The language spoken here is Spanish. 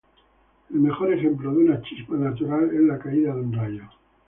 El mejor ejemplo de una "chispa" natural, es la caída de un rayo.